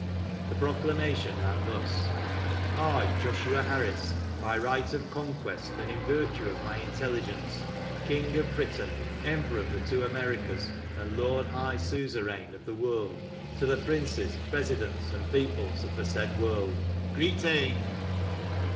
The proclamation ran thus: "/, Joshua Harris, by right of conquest and in virtue of my intelligence, King of Britain, Emperor of the two Americas, and Lord High Suzerain of the World, to the Princes, Presidents, and Peoples of the said World, Greeting.